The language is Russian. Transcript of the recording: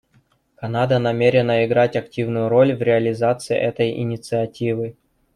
Канада намерена играть активную роль в реализации этой инициативы.